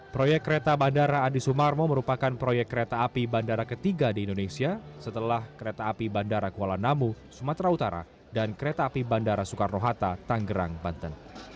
proyek kereta bandara adi sumarmo merupakan proyek kereta api bandara ketiga di indonesia setelah kereta api bandara kuala namu sumatera utara dan kereta api bandara soekarno hatta tanggerang banten